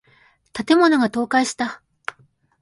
建物が倒壊した。